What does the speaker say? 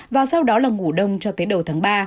và sau đó là ngủ đông cho tới đầu tháng ba